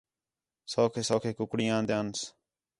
سوکھے سوکھے کُکڑیں آندیانس